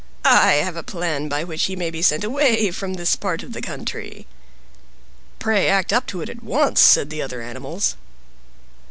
I have a plan by which he may be sent away from this part of the country." "Pray act up to it at once," said the other animals.